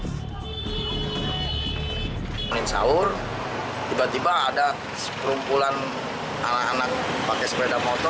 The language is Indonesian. pemilu dua ribu dua puluh empat yang hendak membangunkan sahur warga diserang secara membabi buta oleh puluhan pengendara motor yang membawa senjata tajam hingga jari kelingkingnya hampir putus